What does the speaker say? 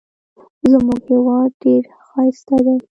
زموږ هیواد ډېر ښایسته دی.